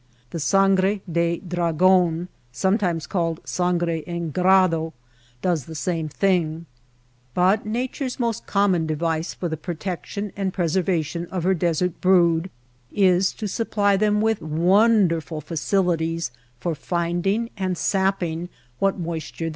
The sangre de dragon (sometimes called sangre en grado) does the same thing. But Nature's most common device for the protection and preservation of her desert brood is to supply them with wonderful facilities for finding and sapping what moisture there is, and Qums and varnishes of bush&a.